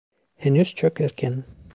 Henüz çok erken.